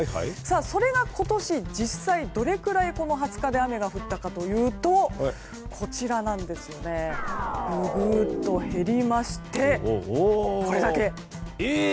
それが今年実際どれくらい２０日で雨が降ったかというとググーッと減りましてこれだけ。